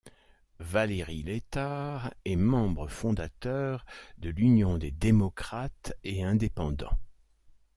Valérie Létard est membre fondateur de l'Union des démocrates et indépendants.